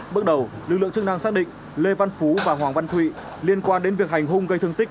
bước đầu lực lượng chức năng xác định lê văn phú và hoàng văn thụy liên quan đến việc hành hung gây thương tích